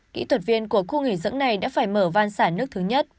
kỹ thuật viên của khu nghỉ dưỡng này đã phải mở van sản nước thứ nhất